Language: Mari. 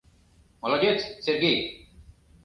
— Молодец, Сергей!..